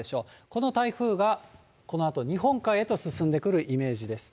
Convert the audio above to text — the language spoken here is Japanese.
この台風がこのあと日本海へと進んでくるイメージです。